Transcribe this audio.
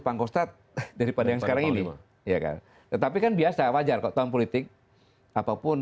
pangkostad daripada yang sekarang ini tetapi kan biasa wajar kalau tahun politik apapun